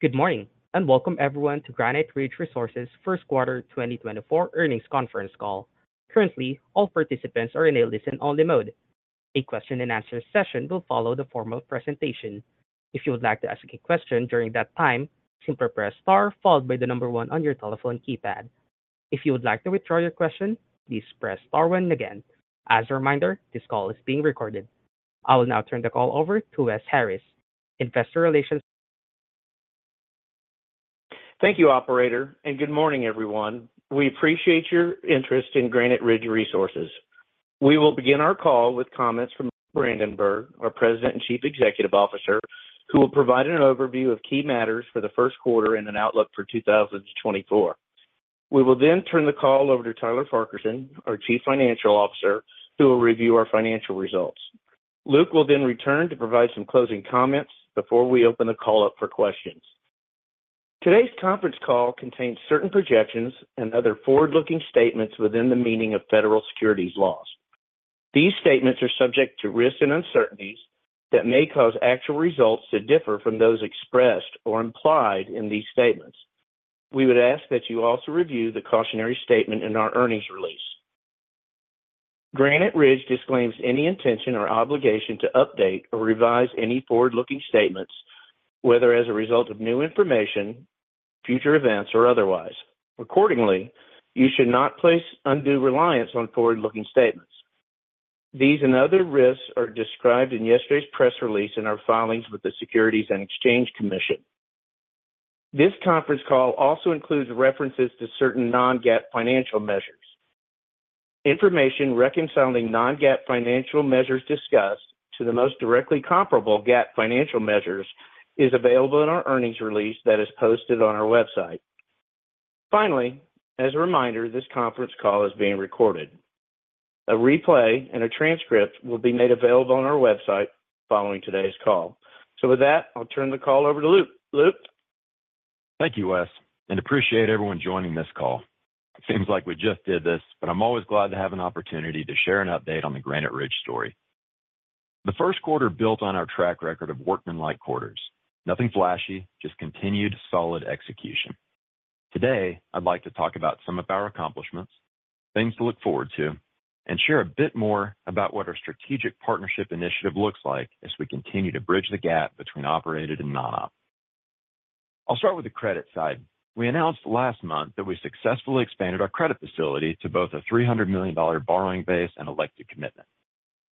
Good morning, and welcome everyone to Granite Ridge Resources' First Quarter 2024 Earnings Conference Call. Currently, all participants are in a listen-only mode. A Q&A session will follow the formal presentation. If you would like to ask a question during that time, simply press Star followed by the number one on your telephone keypad. If you would like to withdraw your question, please press Star 1 again. As a reminder, this call is being recorded. I will now turn the call over to Wes Harris, Investor Relations. Thank you, operator, and good morning, everyone. We appreciate your interest in Granite Ridge Resources. We will begin our call with comments from Luke Brandenburg, our President and Chief Executive Officer, who will provide an overview of key matters for the first quarter and an outlook for 2024. We will then turn the call over to Tyler Farquharson, our Chief Financial Officer, who will review our financial results. Luke will then return to provide some closing comments before we open the call up for questions. Today's conference call contains certain projections and other forward-looking statements within the meaning of federal securities laws. These statements are subject to risks and uncertainties that may cause actual results to differ from those expressed or implied in these statements. We would ask that you also review the cautionary statement in our earnings release. Granite Ridge disclaims any intention or obligation to update or revise any forward-looking statements, whether as a result of new information, future events, or otherwise. Accordingly, you should not place undue reliance on forward-looking statements. These and other risks are described in yesterday's press release and our filings with the Securities and Exchange Commission. This conference call also includes references to certain non-GAAP financial measures. Information reconciling non-GAAP financial measures discussed to the most directly comparable GAAP financial measures is available in our earnings release that is posted on our website. Finally, as a reminder, this conference call is being recorded. A replay and a transcript will be made available on our website following today's call. So with that, I'll turn the call over to Luke. Luke? Thank you, Wes, and appreciate everyone joining this call. It seems like we just did this, but I'm always glad to have an opportunity to share an update on the Granite Ridge story. The first quarter built on our track record of workmanlike quarters. Nothing flashy, just continued solid execution. Today, I'd like to talk about some of our accomplishments, things to look forward to, and share a bit more about what our strategic partnership initiative looks like as we continue to bridge the gap between operated and non-op. I'll start with the credit side. We announced last month that we successfully expanded our credit facility to both a $300 million borrowing base and elected commitment.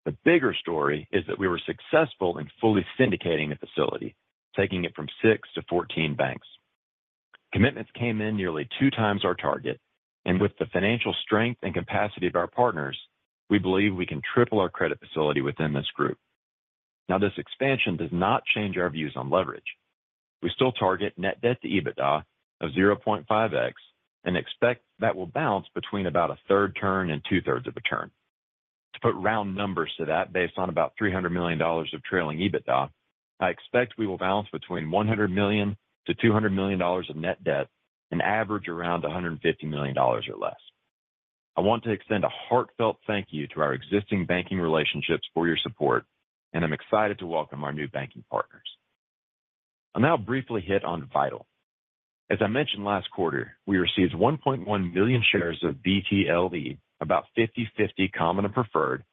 The bigger story is that we were successful in fully syndicating the facility, taking it from 6 to 14 banks. Commitments came in nearly 2 times our target, and with the financial strength and capacity of our partners, we believe we can triple our credit facility within this group. Now, this expansion does not change our views on leverage. We still target net debt to EBITDA of 0.5x and expect that will bounce between about a third turn and two-thirds of a turn. To put round numbers to that, based on about $300 million of trailing EBITDA, I expect we will balance between $100 million to $200 million of net debt and average around $150 million or less. I want to extend a heartfelt thank you to our existing banking relationships for your support, and I'm excited to welcome our new banking partners. I'll now briefly hit on Vital. As I mentioned last quarter, we received 1.1 million shares of VTLE, about 50/50 common and preferred,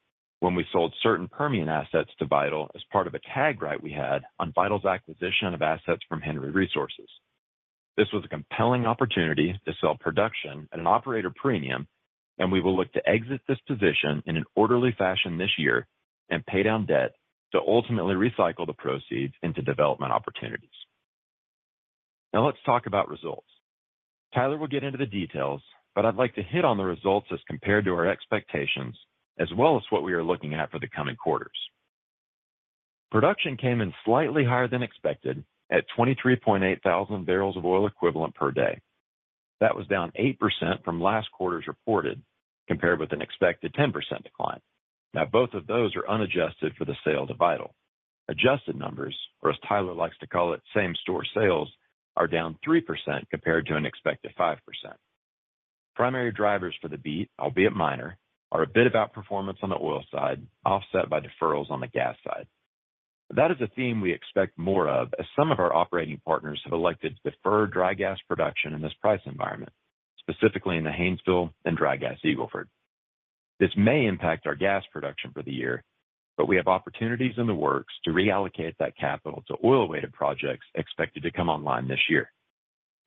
when we sold certain Permian assets to Vital as part of a tag right we had on Vital's acquisition of assets from Henry Resources. This was a compelling opportunity to sell production at an operator premium, and we will look to exit this position in an orderly fashion this year and pay down debt to ultimately recycle the proceeds into development opportunities. Now let's talk about results. Tyler will get into the details, but I'd like to hit on the results as compared to our expectations, as well as what we are looking at for the coming quarters. Production came in slightly higher than expected at 23.8 thousand barrels of oil equivalent per day. That was down 8% from last quarter's reported, compared with an expected 10% decline. Now, both of those are unadjusted for the sale to Vital. Adjusted numbers, or as Tyler likes to call it, same store sales, are down 3% compared to an expected 5%. Primary drivers for the beat, albeit minor, are a bit of outperformance on the oil side, offset by deferrals on the gas side. That is a theme we expect more of, as some of our operating partners have elected to defer dry gas production in this price environment, specifically in the Haynesville and Dry Gas Eagle Ford. This may impact our gas production for the year, but we have opportunities in the works to reallocate that capital to oil-weighted projects expected to come online this year.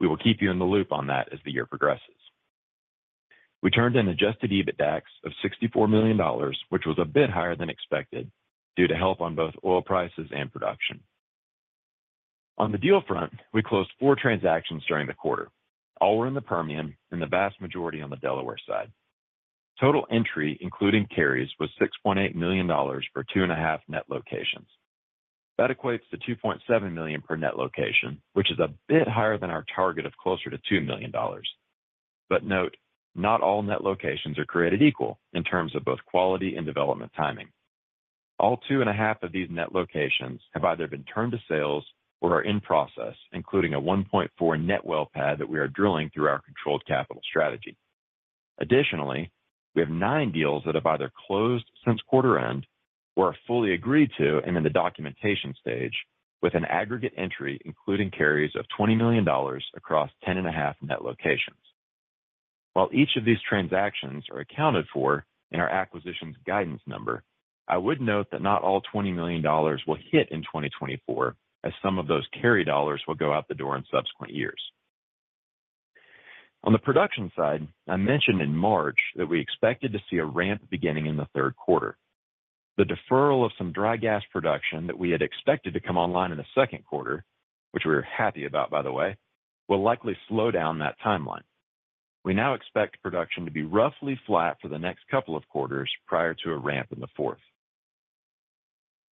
We will keep you in the loop on that as the year progresses. We turned an adjusted EBITDAX of $64 million, which was a bit higher than expected, due to help on both oil prices and production. On the deal front, we closed 4 transactions during the quarter. All were in the Permian and the vast majority on the Delaware side. Total entry, including carries, was $6.8 million for 2.5 net locations. That equates to $2.7 million per net location, which is a bit higher than our target of closer to $2 million. But note, not all net locations are created equal in terms of both quality and development timing. All 2.5 of these net locations have either been turned to sales or are in process, including a 1.4 net well pad that we are drilling through our controlled capital strategy. Additionally, we have 9 deals that have either closed since quarter end or are fully agreed to and in the documentation stage, with an aggregate entry, including carries of $20 million across 10.5 net locations. While each of these transactions are accounted for in our acquisitions guidance number, I would note that not all $20 million will hit in 2024, as some of those carry dollars will go out the door in subsequent years. On the production side, I mentioned in March that we expected to see a ramp beginning in the third quarter. The deferral of some dry gas production that we had expected to come online in the second quarter, which we're happy about, by the way, will likely slow down that timeline. We now expect production to be roughly flat for the next couple of quarters prior to a ramp in the fourth.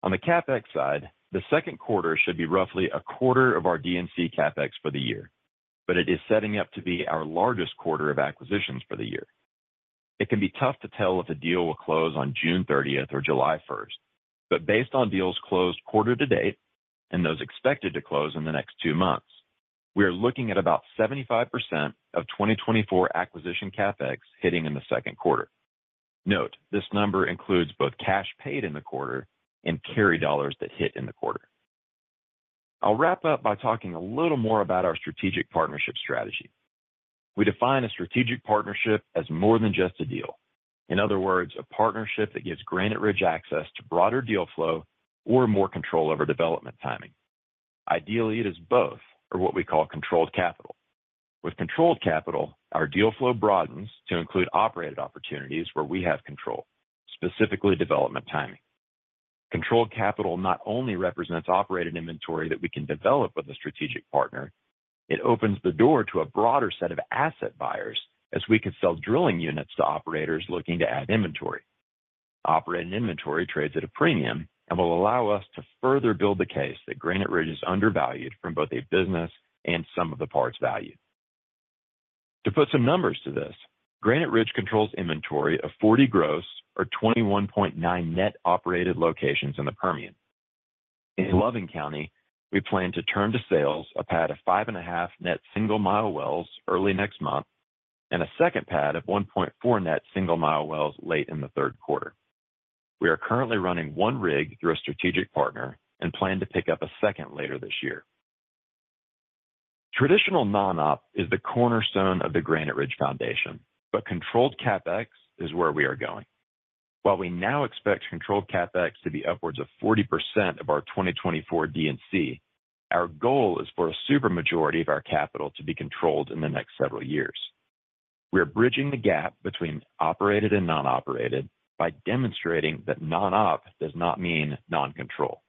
On the CapEx side, the second quarter should be roughly a quarter of our D&C CapEx for the year, but it is setting up to be our largest quarter of acquisitions for the year. It can be tough to tell if a deal will close on June thirtieth or July first, but based on deals closed quarter to date and those expected to close in the next two months, we are looking at about 75% of 2024 acquisition CapEx hitting in the second quarter. Note, this number includes both cash paid in the quarter and carry dollars that hit in the quarter. I'll wrap up by talking a little more about our strategic partnership strategy. We define a strategic partnership as more than just a deal. In other words, a partnership that gives Granite Ridge access to broader deal flow or more control over development timing. Ideally, it is both, or what we call controlled capital. With controlled capital, our deal flow broadens to include operated opportunities where we have control, specifically development timing. Controlled capital not only represents operated inventory that we can develop with a strategic partner, it opens the door to a broader set of asset buyers as we can sell drilling units to operators looking to add inventory. Operated inventory trades at a premium and will allow us to further build the case that Granite Ridge is undervalued from both a business and sum of the parts value. To put some numbers to this, Granite Ridge controls inventory of 40 gross or 21.9 net operated locations in the Permian. In Loving County, we plan to turn to sales a pad of 5.5 net single-mile wells early next month, and a second pad of 1.4 net single-mile wells late in the third quarter. We are currently running 1 rig through a strategic partner and plan to pick up a second later this year. Traditional non-op is the cornerstone of the Granite Ridge Foundation, but controlled CapEx is where we are going. While we now expect controlled CapEx to be upwards of 40% of our 2024 D&C, our goal is for a super majority of our capital to be controlled in the next several years. We are bridging the gap between operated and non-operated by demonstrating that non-op does not mean non-control.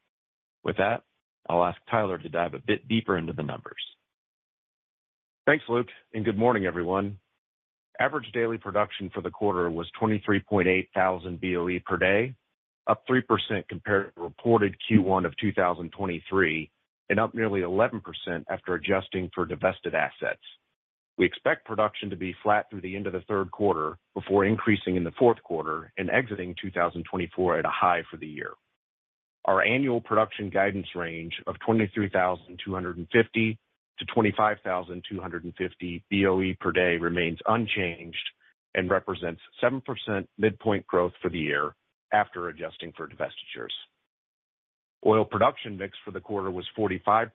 With that, I'll ask Tyler to dive a bit deeper into the numbers. Thanks, Luke, and good morning, everyone. Average daily production for the quarter was 23.8 thousand Boe per day, up 3% compared to reported Q1 of 2023, and up nearly 11% after adjusting for divested assets. We expect production to be flat through the end of the third quarter before increasing in the fourth quarter and exiting 2024 at a high for the year. Our annual production guidance range of 23,250-25,250 Boe per day remains unchanged and represents 7% midpoint growth for the year after adjusting for divestitures. Oil production mix for the quarter was 45%,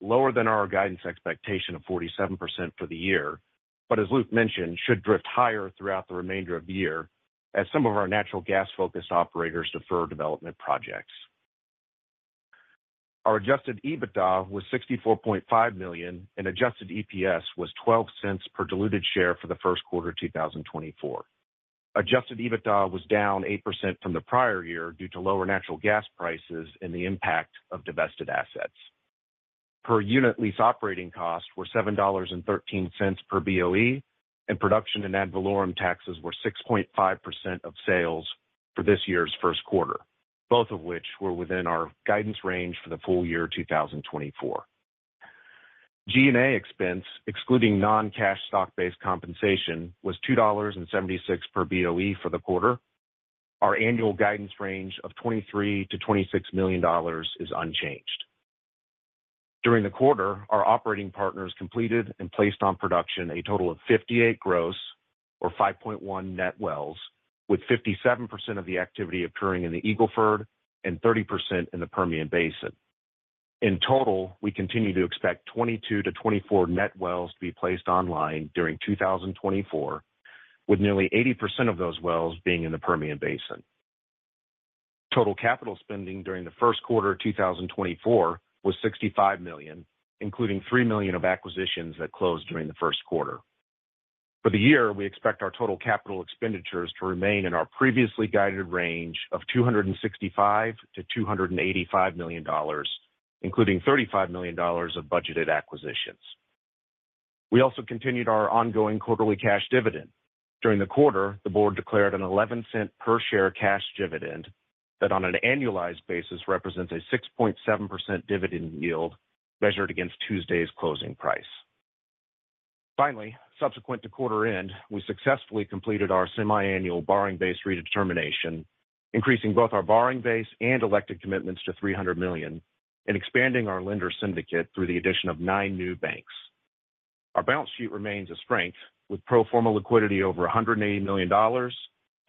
lower than our guidance expectation of 47% for the year, but as Luke mentioned, should drift higher throughout the remainder of the year as some of our natural gas-focused operators defer development projects. Our adjusted EBITDA was $64.5 million, and adjusted EPS was $0.12 per diluted share for the first quarter of 2024. Adjusted EBITDA was down 8% from the prior year due to lower natural gas prices and the impact of divested assets. Per unit lease operating costs were $7.13 per Boe, and production and ad valorem taxes were 6.5% of sales for this year's first quarter, both of which were within our guidance range for the full year 2024. G&A expense, excluding non-cash stock-based compensation, was $2.76 per Boe for the quarter. Our annual guidance range of $23 million to $26 million is unchanged. During the quarter, our operating partners completed and placed on production a total of 58 gross or 5.1 net wells, with 57% of the activity occurring in the Eagle Ford and 30% in the Permian Basin. In total, we continue to expect 22-24 net wells to be placed online during 2024, with nearly 80% of those wells being in the Permian Basin. Total capital spending during the first quarter of 2024 was $65 million, including $3 million of acquisitions that closed during the first quarter. For the year, we expect our total capital expenditures to remain in our previously guided range of $265 million to $285 million, including $35 million of budgeted acquisitions. We also continued our ongoing quarterly cash dividend. During the quarter, the board declared a $0.11 per share cash dividend that on an annualized basis, represents a 6.7% dividend yield, measured against Tuesday's closing price. Finally, subsequent to quarter end, we successfully completed our semiannual borrowing base redetermination. Increasing both our borrowing base and elected commitments to $300 million, and expanding our lender syndicate through the addition of 9 new banks. Our balance sheet remains a strength, with pro forma liquidity over $180 million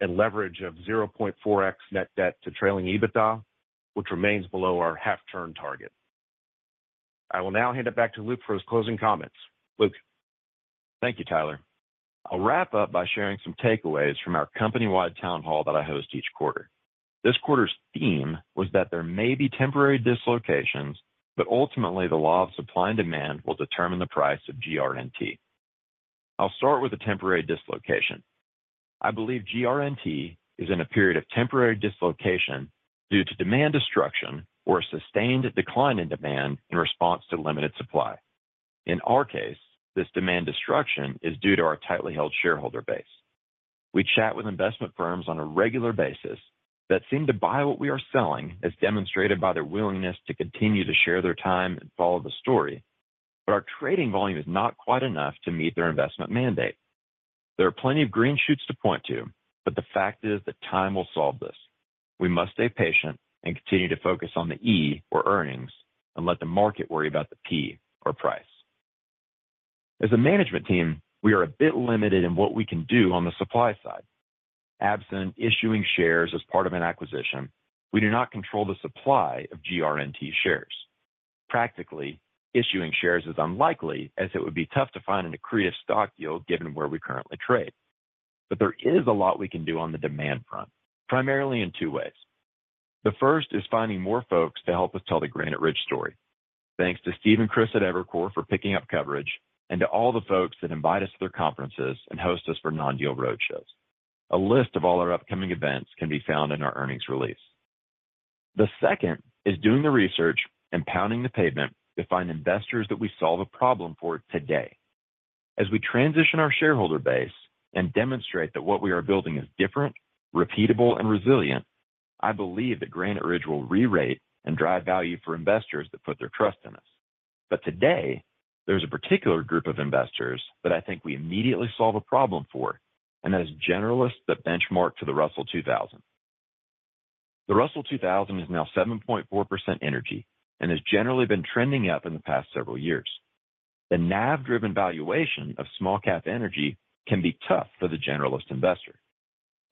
and leverage of 0.4x net debt to trailing EBITDA, which remains below our half-turn target. I will now hand it back to Luke for his closing comments. Luke? Thank you, Tyler. I'll wrap up by sharing some takeaways from our company-wide town hall that I host each quarter. This quarter's theme was that there may be temporary dislocations, but ultimately, the law of supply and demand will determine the price of GRNT. I'll start with the temporary dislocation. I believe GRNT is in a period of temporary dislocation due to demand destruction or a sustained decline in demand in response to limited supply. In our case, this demand destruction is due to our tightly held shareholder base. We chat with investment firms on a regular basis that seem to buy what we are selling, as demonstrated by their willingness to continue to share their time and follow the story, but our trading volume is not quite enough to meet their investment mandate. There are plenty of green shoots to point to, but the fact is that time will solve this. We must stay patient and continue to focus on the E, or earnings, and let the market worry about the P, or price. As a management team, we are a bit limited in what we can do on the supply side. Absent issuing shares as part of an acquisition, we do not control the supply of GRNT shares. Practically, issuing shares is unlikely, as it would be tough to find an accretive stock yield given where we currently trade. But there is a lot we can do on the demand front, primarily in two ways. The first is finding more folks to help us tell the Granite Ridge story. Thanks to Steve and Chris at Evercore for picking up coverage, and to all the folks that invite us to their conferences and host us for non-deal roadshows. A list of all our upcoming events can be found in our earnings release. The second is doing the research and pounding the pavement to find investors that we solve a problem for today. As we transition our shareholder base and demonstrate that what we are building is different, repeatable, and resilient, I believe that Granite Ridge will rerate and drive value for investors that put their trust in us. Today, there's a particular group of investors that I think we immediately solve a problem for, and that is generalists that benchmark to the Russell 2000. The Russell 2000 is now 7.4% energy and has generally been trending up in the past several years. The NAV-driven valuation of small cap energy can be tough for the generalist investor.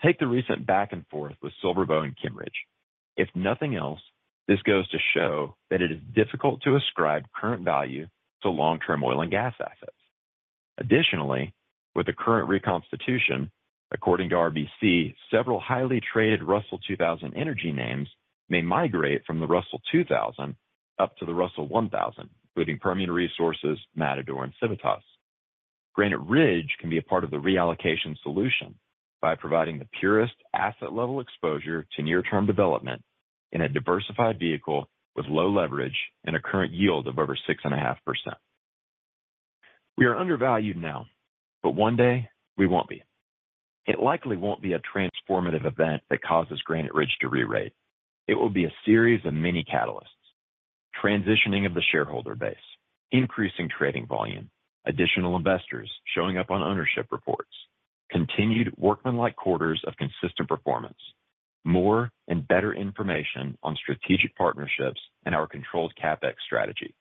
Take the recent back and forth with SilverBow and Kimmeridge. If nothing else, this goes to show that it is difficult to ascribe current value to long-term oil and gas assets. Additionally, with the current reconstitution, according to RBC, several highly traded Russell 2000 energy names may migrate from the Russell 2000 up to the Russell 1000, including Permian Resources, Matador, and Civitas. Granite Ridge can be a part of the reallocation solution by providing the purest asset-level exposure to near-term development in a diversified vehicle with low leverage and a current yield of over 6.5%. We are undervalued now, but one day we won't be. It likely won't be a transformative event that causes Granite Ridge to rerate. It will be a series of mini catalysts: transitioning of the shareholder base, increasing trading volume, additional investors showing up on ownership reports continued workmanlike quarters of consistent performance, more and better information on strategic partnerships and our controlled CapEx strategy.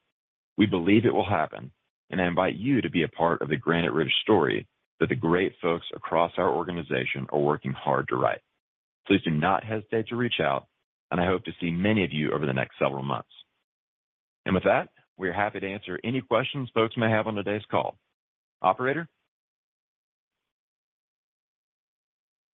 We believe it will happen, and I invite you to be a part of the Granite Ridge story that the great folks across our organization are working hard to write. Please do not hesitate to reach out, and I hope to see many of you over the next several months. With that, we are happy to answer any questions folks may have on today's call. Operator?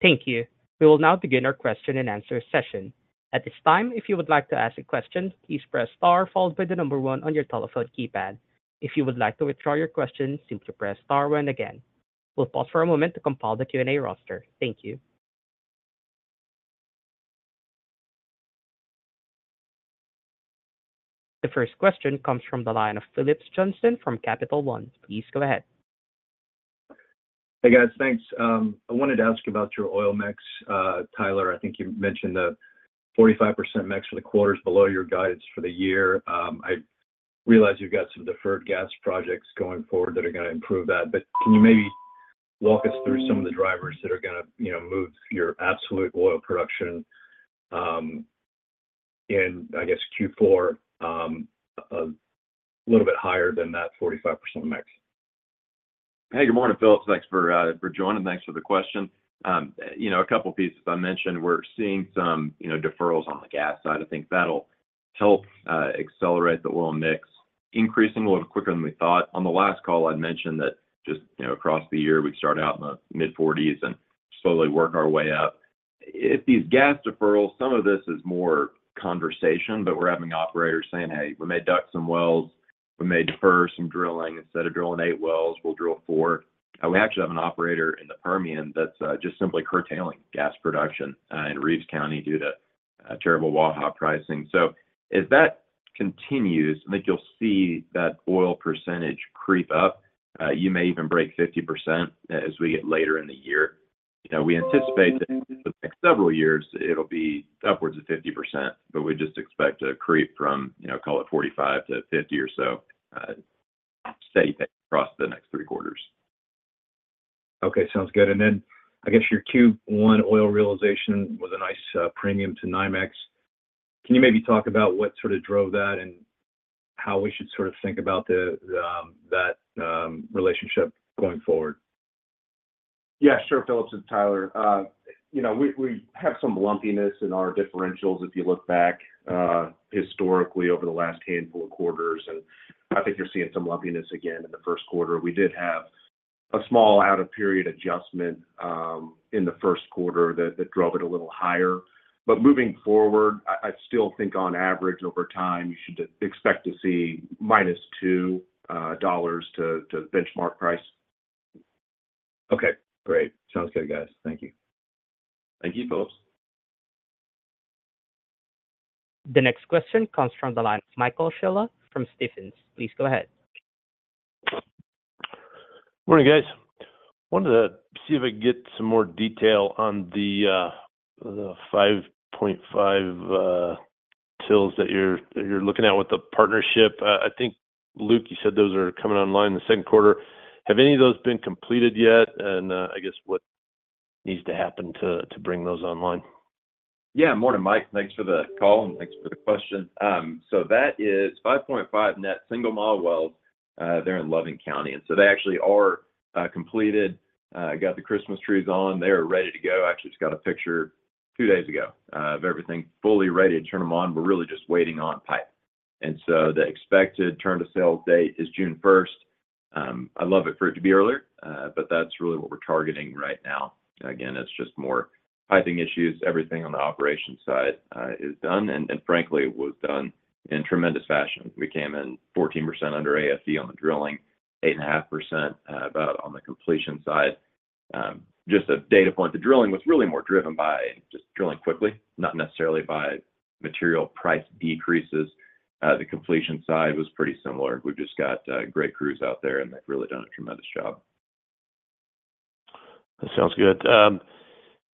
Thank you. We will now begin our question-and-answer session. At this time, if you would like to ask a question, please press star followed by the number one on your telephone keypad. If you would like to withdraw your question, simply press star one again. We'll pause for a moment to compile the Q&A roster. Thank you. The first question comes from the line of Phillips Johnston from Capital One. Please go ahead. Hey, guys. Thanks. I wanted to ask about your oil mix. Tyler, I think you mentioned the 45% mix for the quarter is below your guidance for the year. I realize you've got some deferred gas projects going forward that are gonna improve that, but can you maybe walk us through some of the drivers that are gonna, you know, move your absolute oil production, in, I guess, Q4, a little bit higher than that 45% mix? Hey, good morning, Phillips. Thanks for joining. Thanks for the question. You know, a couple pieces. I mentioned we're seeing some, you know, deferrals on the gas side. I think that'll help accelerate the oil mix, increasing a little quicker than we thought. On the last call, I'd mentioned that just, you know, across the year, we'd start out in the mid-forties and slowly work our way up. If these gas deferrals, some of this is more conversation, but we're having operators saying, "Hey, we may duck some wells. We may defer some drilling. Instead of drilling eight wells, we'll drill four." And we actually have an operator in the Permian that's just simply curtailing gas production in Reeves County due to terrible Waha pricing. So as that continues, I think you'll see that oil percentage creep up. You may even break 50% as we get later in the year. You know, we anticipate that the next several years it'll be upwards of 50%, but we just expect a creep from, you know, call it 45%-50% or so, safely across the next three quarters. Okay, sounds good. And then I guess your Q1 oil realization was a nice premium to NYMEX. Can you maybe talk about what sort of drove that, and how we should sort of think about the that relationship going forward? Yeah, sure, Phillips. It's Tyler. You know, we have some lumpiness in our differentials if you look back historically over the last handful of quarters, and I think you're seeing some lumpiness again in the first quarter. We did have a small out-of-period adjustment in the first quarter that drove it a little higher. But moving forward, I still think on average, over time, you should expect to see -$2 to the benchmark price. Okay, great. Sounds good, guys. Thank you. Thank you, Phillips. The next question comes from the line of Michael Scialla from Stephens. Please go ahead. Morning, guys. Wanted to see if I could get some more detail on the 5.5 Tcf that you're looking at with the partnership. I think, Luke, you said those are coming online in the second quarter. Have any of those been completed yet? I guess what needs to happen to bring those online? Yeah. Morning, Mike. Thanks for the call, and thanks for the question. So that is 5.5 net single-mile wells, there in Loving County, and so they actually are, completed, got the Christmas trees on. They are ready to go. Actually, just got a picture two days ago, of everything fully ready to turn them on. We're really just waiting on pipe. And so the expected turn to sales date is June 1st. I'd love it for it to be earlier, but that's really what we're targeting right now. Again, it's just more piping issues. Everything on the operations side, is done, and, and frankly, was done in tremendous fashion. We came in 14% under AFE on the drilling, 8.5%, about on the completion side. Just a data point, the drilling was really more driven by just drilling quickly, not necessarily by material price decreases. The completion side was pretty similar. We've just got great crews out there, and they've really done a tremendous job. That sounds good.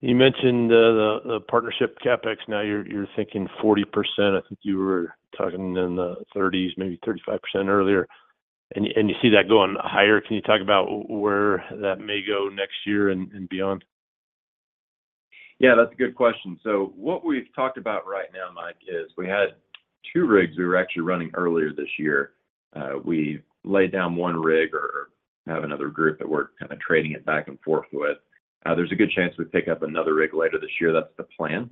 You mentioned the partnership CapEx. Now you're thinking 40%. I think you were talking in the 30s, maybe 35% earlier, and you see that going higher. Can you talk about where that may go next year and beyond? Yeah, that's a good question. So what we've talked about right now, Mike, is we had 2 rigs we were actually running earlier this year. We laid down 1 rig or have another group that we're kind of trading it back and forth with. There's a good chance we pick up another rig later this year. That's the plan.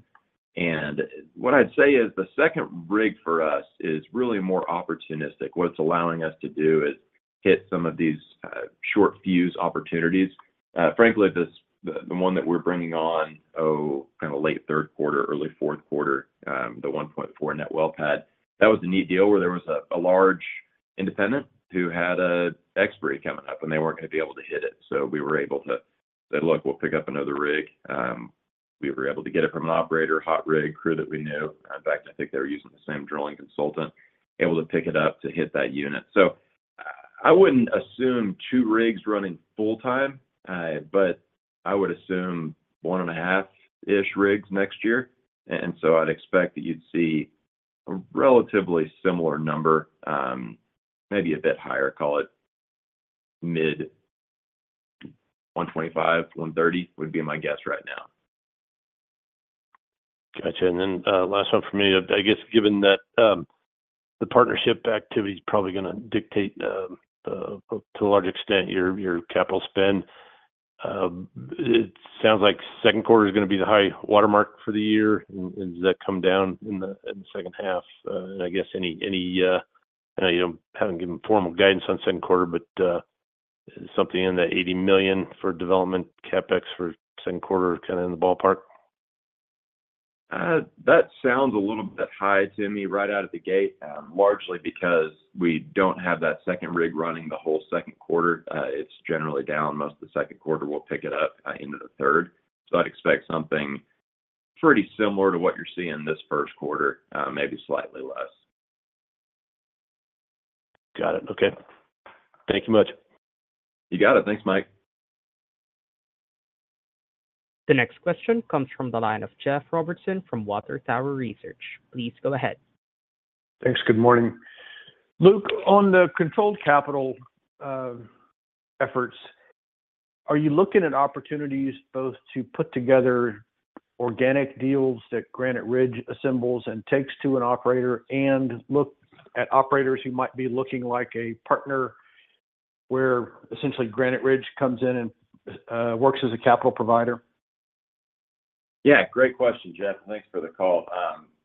And what I'd say is the second rig for us is really more opportunistic. What it's allowing us to do is hit some of these short fuse opportunities. Frankly, the one that we're bringing on, kind of late third quarter, early fourth quarter, the 1.4 net well pad, that was a neat deal, where there was a large independent who had an expiry coming up, and they weren't gonna be able to hit it. So we were able to say, "Look, we'll pick up another rig." We were able to get it from an operator, hot rig crew that we knew. In fact, I think they were using the same drilling consultant, able to pick it up to hit that unit. So I wouldn't assume 2 rigs running full time, but I would assume 1.5-ish rigs next year. And so I'd expect that you'd see a relatively similar number, maybe a bit higher, call it mid-$125-$130, would be my guess right now. Gotcha. And then, last one for me. I guess, given that, the partnership activity is probably gonna dictate, to a large extent, your capital spend, it sounds like second quarter is gonna be the high watermark for the year. And does that come down in the second half? And I guess, you know, haven't given formal guidance on second quarter, but, something in the $80 million for development CapEx for second quarter kind of in the ballpark? That sounds a little bit high to me right out of the gate, largely because we don't have that second rig running the whole second quarter. It's generally down. Most of the second quarter will pick it up into the third. So I'd expect something pretty similar to what you're seeing this first quarter, maybe slightly less. Got it. Okay. Thank you much. You got it. Thanks, Mike. The next question comes from the line of Jeff Robertson from Water Tower Research. Please go ahead. Thanks. Good morning. Luke, on the controlled capital efforts, are you looking at opportunities both to put together organic deals that Granite Ridge assembles and takes to an operator and look at operators who might be looking like a partner, where essentially Granite Ridge comes in and works as a capital provider? Yeah, great question, Jeff. Thanks for the call.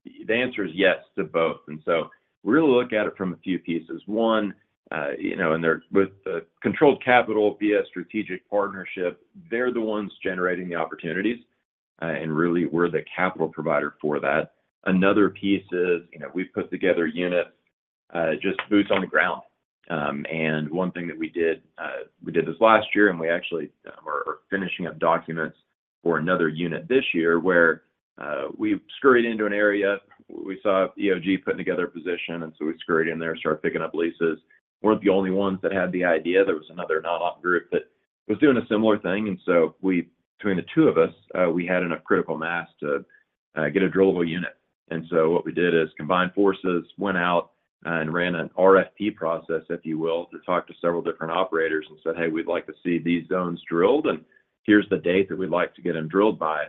The answer is yes to both, and so we really look at it from a few pieces. One, you know, with controlled capital via strategic partnership, they're the ones generating the opportunities, and really, we're the capital provider for that. Another piece is, you know, we've put together a unit, just boots on the ground. And one thing that we did, we did this last year, and we actually are finishing up documents for another unit this year, where we scurried into an area. We saw EOG putting together a position, and so we scurried in there and started picking up leases. Weren't the only ones that had the idea. There was another non-op group that was doing a similar thing, and so we, between the two of us, we had enough critical mass to get a drillable unit. And so what we did is combined forces, went out and ran an RFP process, if you will, to talk to several different operators and said, "Hey, we'd like to see these zones drilled, and here's the date that we'd like to get them drilled by.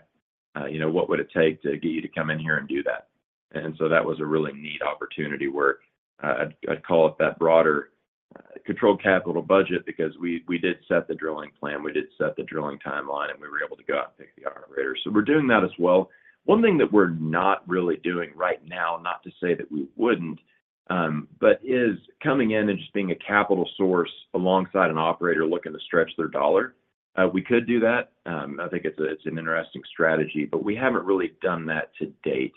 You know, what would it take to get you to come in here and do that?" And so that was a really neat opportunity where I'd, I'd call it that broader controlled capital budget because we, we did set the drilling plan, we did set the drilling timeline, and we were able to go out and pick the operator. So we're doing that as well. One thing that we're not really doing right now, not to say that we wouldn't, but is coming in and just being a capital source alongside an operator looking to stretch their dollar. We could do that. I think it's an interesting strategy, but we haven't really done that to date.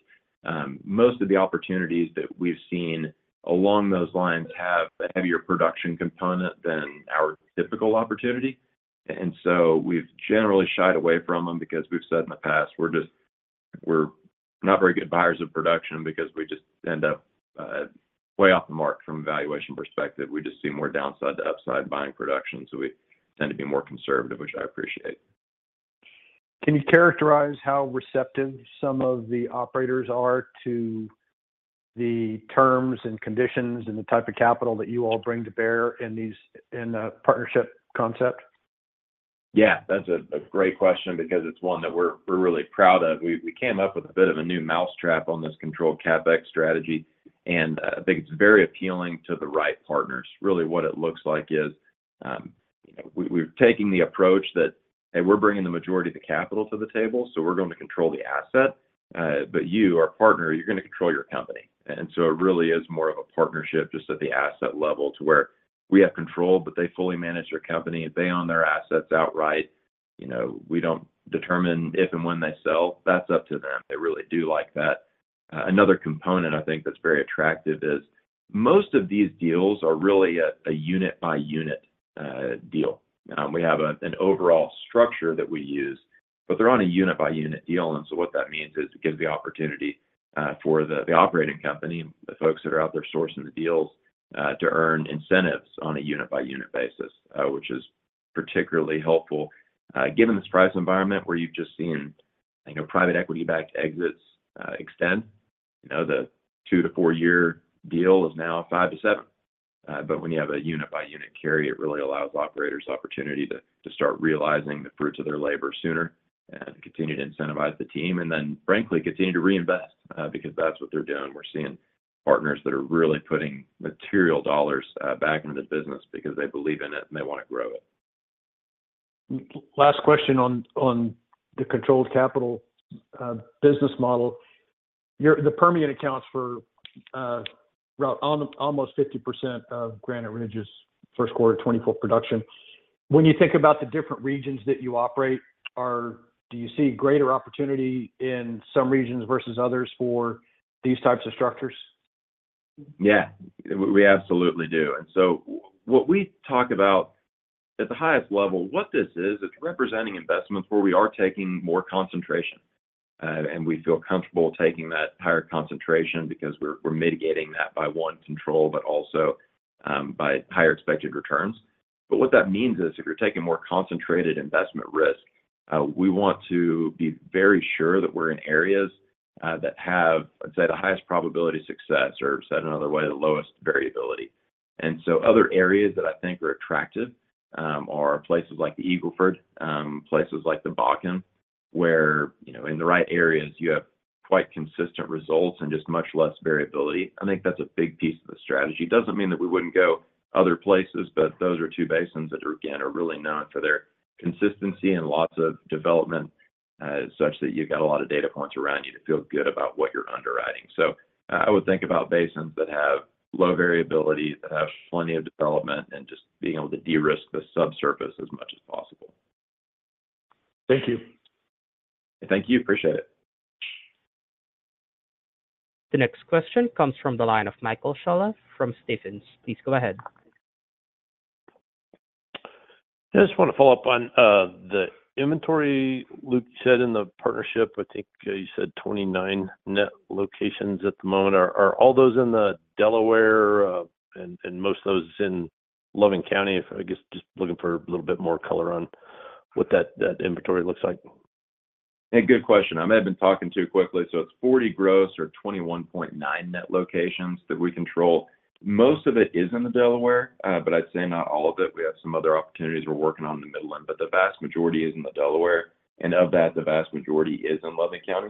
Most of the opportunities that we've seen along those lines have a heavier production component than our typical opportunity, and so we've generally shied away from them because we've said in the past, we're just not very good buyers of production because we just end up way off the mark from a valuation perspective. We just see more downside to upside buying production, so we tend to be more conservative, which I appreciate. Can you characterize how receptive some of the operators are to the terms and conditions and the type of capital that you all bring to bear in these, in the partnership concept? Yeah, that's a great question because it's one that we're really proud of. We came up with a bit of a new mousetrap on this controlled CapEx strategy, and I think it's very appealing to the right partners. Really, what it looks like is, we're taking the approach that, "Hey, we're bringing the majority of the capital to the table, so we're going to control the asset. But you, our partner, you're gonna control your company." And so it really is more of a partnership just at the asset level to where we have control, but they fully manage their company. They own their assets outright. You know, we don't determine if and when they sell. That's up to them. They really do like that. Another component I think that's very attractive is most of these deals are really a unit-by-unit deal. We have an overall structure that we use, but they're on a unit-by-unit deal, and so what that means is it gives the opportunity for the operating company, the folks that are out there sourcing the deals, to earn incentives on a unit-by-unit basis. Which is particularly helpful given this price environment, where you've just seen, you know, private equity-backed exits extend. You know, the 2-4-year deal is now 5-7. But when you have a unit-by-unit carry, it really allows operators opportunity to start realizing the fruits of their labor sooner and continue to incentivize the team, and then, frankly, continue to reinvest because that's what they're doing. We're seeing partners that are really putting material dollars back into the business because they believe in it, and they want to grow it. Last question on the controlled capital business model. Your... The Permian accounts for almost 50% of Granite Ridge's first quarter 2024 production. When you think about the different regions that you operate, do you see greater opportunity in some regions versus others for these types of structures? Yeah, we absolutely do. And so what we talk about at the highest level, what this is, it's representing investments where we are taking more concentration, and we feel comfortable taking that higher concentration because we're mitigating that by, one, control, but also, by higher expected returns. But what that means is if you're taking more concentrated investment risk, we want to be very sure that we're in areas that have, I'd say, the highest probability of success or, said another way, the lowest variability. And so other areas that I think are attractive are places like the Eagle Ford, places like the Bakken, where, you know, in the right areas, you have quite consistent results and just much less variability. I think that's a big piece of the strategy. Doesn't mean that we wouldn't go other places, but those are two basins that are, again, are really known for their consistency and lots of development, such that you've got a lot of data points around you to feel good about what you're underwriting. So I would think about basins that have low variability, that have plenty of development, and just being able to de-risk the subsurface as much as possible. Thank you. Thank you. Appreciate it. The next question comes from the line of Michael Scialla from Stephens. Please go ahead. I just want to follow up on the inventory, Luke. You said in the partnership, I think you said 29 net locations at the moment. Are all those in the Delaware, and most of those in Loving County? I guess just looking for a little bit more color on what that inventory looks like. A good question. I may have been talking too quickly, so it's 40 gross or 21.9 net locations that we control. Most of it is in the Delaware, but I'd say not all of it. We have some other opportunities we're working on in the Midland, but the vast majority is in the Delaware, and of that, the vast majority is in Loving County.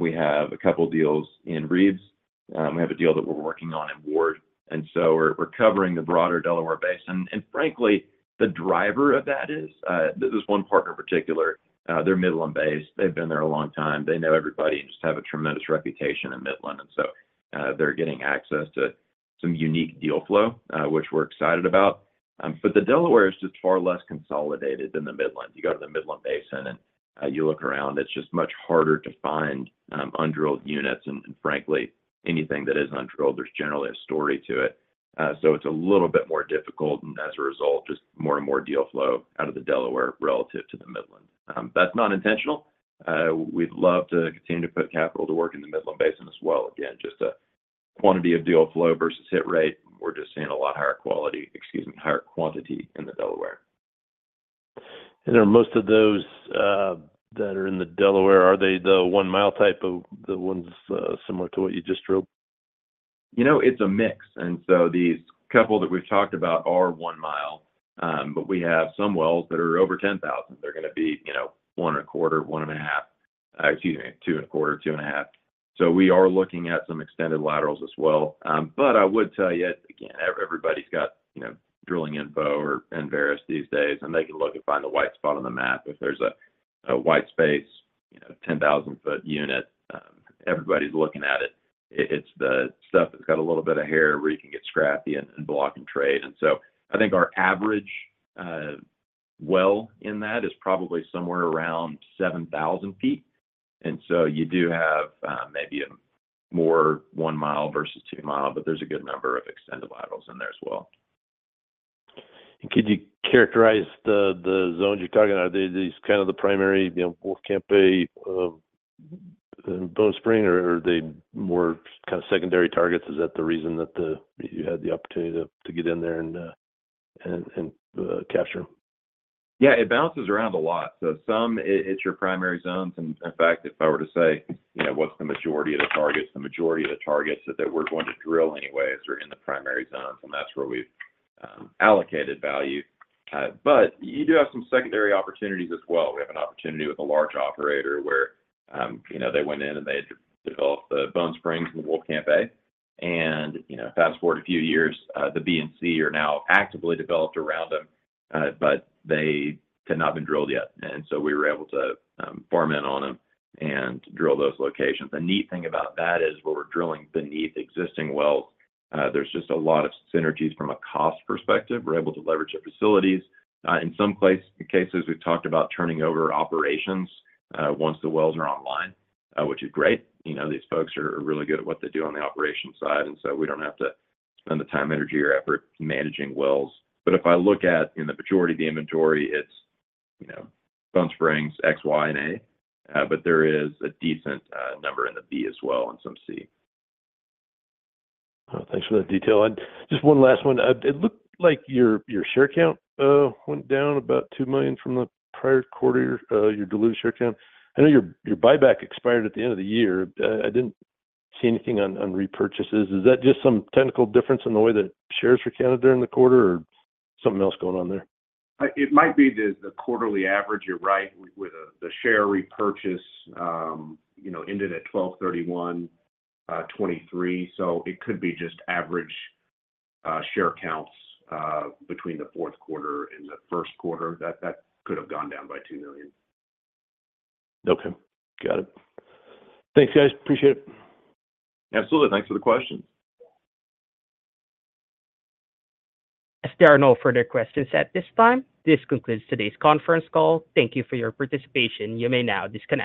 We have a couple deals in Reeves. We have a deal that we're working on in Ward, and so we're covering the broader Delaware Basin. And frankly, the driver of that is this one partner in particular, they're Midland-based. They've been there a long time. They know everybody and just have a tremendous reputation in Midland, and so they're getting access to some unique deal flow, which we're excited about. But the Delaware is just far less consolidated than the Midland. You go to the Midland Basin, and, you look around, it's just much harder to find, undrilled units, and frankly, anything that is undrilled, there's generally a story to it. So it's a little bit more difficult, and as a result, just more and more deal flow out of the Delaware relative to the Midland. That's not intentional. We'd love to continue to put capital to work in the Midland Basin as well. Again, just a quantity of deal flow versus hit rate. We're just seeing a lot higher quality, excuse me, higher quantity in the Delaware. Are most of those that are in the Delaware, are they the one-mile type of the ones similar to what you just drilled? You know, it's a mix, and so these couple that we've talked about are 1 mile. But we have some wells that are over 10,000. They're gonna be, you know, 1.25, 1.5, excuse me, 2.25, 2.5. So we are looking at some extended laterals as well. But I would tell you, again, everybody's got, you know, drilling info in Enverus these days, and they can look and find the white spot on the map. If there's a white space, you know, 10,000-foot unit, everybody's looking at it. It's the stuff that's got a little bit of hair where you can get scrappy and block and trade. And so I think our average well in that is probably somewhere around 7,000 feet. You do have, maybe a more 1 mile versus 2 mile, but there's a good number of extended laterals in there as well. Could you characterize the zones you're talking about? Are these kind of the primary, you know, Wolfcamp A, Bone Spring, or are they more kind of secondary targets? Is that the reason that you had the opportunity to get in there and capture them? Yeah, it bounces around a lot. So some of it, it's your primary zones. And in fact, if I were to say, you know, what's the majority of the targets? The majority of the targets that we're going to drill anyways are in the primary zones, and that's where we've allocated value. But you do have some secondary opportunities as well. We have an opportunity with a large operator where, you know, they went in, and they had developed the Bone Spring and the Wolfcamp A. And, you know, fast-forward a few years, the B and C are now actively developed around them, but they had not been drilled yet, and so we were able to farm in on them and drill those locations. The neat thing about that is, where we're drilling beneath existing wells, there's just a lot of synergies from a cost perspective. We're able to leverage the facilities. In some cases, we've talked about turning over operations, once the wells are online, which is great. You know, these folks are really good at what they do on the operations side, and so we don't have to spend the time, energy, or effort managing wells. But if I look at the majority of the inventory, it's, you know, Bone Spring, X, Y, and A. But there is a decent number in the B as well, and some C. Thanks for that detail. Just one last one. It looked like your, your share count went down about 2 million from the prior quarter, your diluted share count. I know your, your buyback expired at the end of the year. I didn't see anything on, on repurchases. Is that just some technical difference in the way that shares were counted during the quarter or something else going on there? It might be the quarterly average. You're right. With the share repurchase, you know, ended at 12/31/2023, so it could be just average share counts between the fourth quarter and the first quarter that could have gone down by 2 million. Okay, got it. Thanks, guys. Appreciate it. Absolutely. Thanks for the question. As there are no further questions at this time, this concludes today's conference call. Thank you for your participation. You may now disconnect.